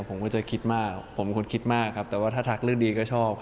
ผมก็จะคิดมากผมเป็นคนคิดมากครับแต่ว่าถ้าทักเรื่องดีก็ชอบ